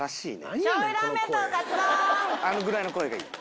あんぐらいの声がいい。